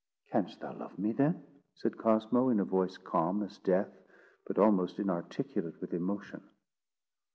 "Canst thou love me then?" said Cosmo, in a voice calm as death, but almost inarticulate with emotion.